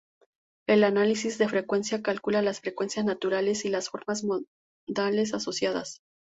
El análisis de frecuencia calcula las frecuencias naturales y las formas modales asociadas.